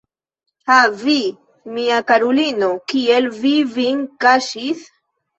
Ha, vi, mia karulino, kiel vi vin kaŝis?